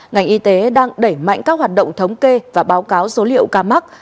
ngành y tế đang đẩy mạnh các hoạt động thống kê và báo cáo số liệu ca mắc